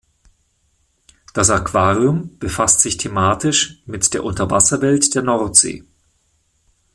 Das Aquarium befasst sich thematisch mit der Unterwasserwelt der Nordsee.